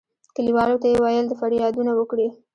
کلیوالو ته یې ویل د فریادونه وکړي.